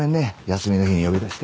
休みの日に呼び出して。